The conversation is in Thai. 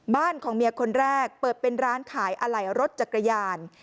ของเมียคนแรกเปิดเป็นร้านขายอะไหล่รถจักรยาน